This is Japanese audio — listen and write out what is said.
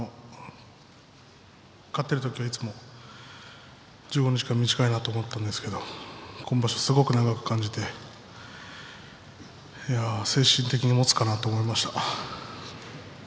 勝っているときはいつも１５日間短いなと思ったんですけど今場所はすごく長く感じていや、精神的にもつかなと思いました。